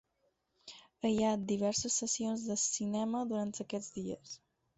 Hi ha diverses sessions de cinema durant aquests dies.